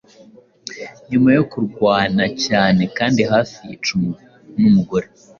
Nyuma yo kurwana cyane kandi hafi yica numugore